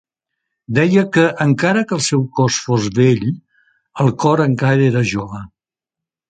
Deia que, encara que el seu cos fos vell, el cor encara era jove.